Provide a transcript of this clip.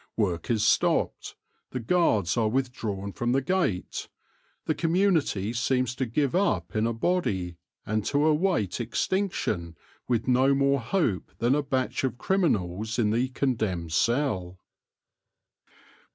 Work is stopped ; the guards are withdrawn from the gate ; the community seems to give up in a body, and to await extinction with no more hope than a batch of criminals in the condemned cell.